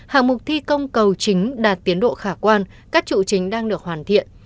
hạng mục thi công cầu chính đạt tiến độ khả quan các trụ chính đang được hoàn thiện